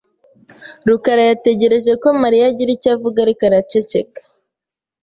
rukarayategereje ko Mariya agira icyo avuga, ariko araceceka.